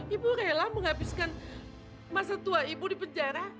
ibu rela menghabiskan masa tua ibu di penjara